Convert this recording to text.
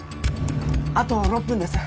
あと６分です。